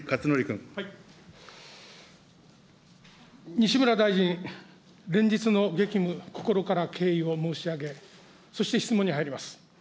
西村大臣、連日の激務、心から敬意を申し上げ、そして質問に入ります。